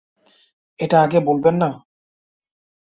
এটা আগে বলবেন না?